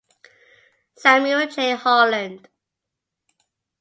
Samuel J. Holland.